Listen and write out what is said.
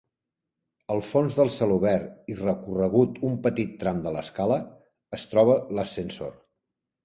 Al fons del celobert, i recorregut un petit tram de l'escala, es troba l'ascensor.